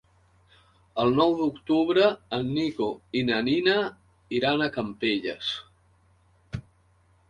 El nou d'octubre en Nico i na Nina iran a Campelles.